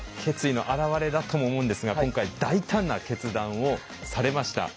決意の表れだとも思うんですが今回大胆な決断をされました。